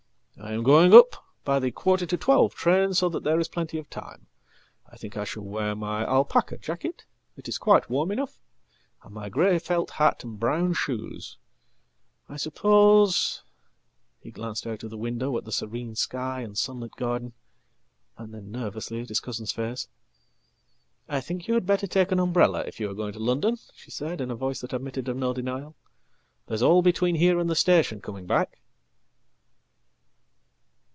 I am going up by the quarter to twelve train, so thatthere is plenty of time. I think I shall wear my alpaca jacket it isquite warm enough and my grey felt hat and brown shoes. I suppose "He glanced out of the window at the serene sky and sunlit garden, and thennervously at his cousin's face."I think you had better take an umbrella if you are going to London," shesaid in a voice that admitted of no denial. "There's all between here andthe station coming back."